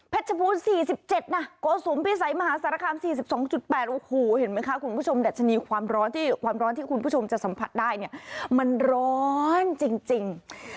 เพชรผู้๔๗โกสุมพิสัยมหาสารคาม๔๒๘เห็นไหมคะคุณผู้ชมดัชนีความร้อนที่คุณผู้ชมจะสัมผัสได้มันร้อนจริง